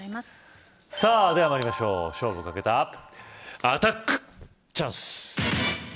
さぁでは参りましょう勝負をかけたアタックチャンス‼